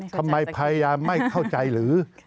ทำไมพยายามไม่เข้าใจหรือ